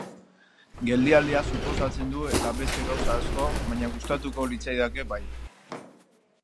Geldialdia suposatzen du eta beste gauza asko, baina gustatuko litzaidake, bai.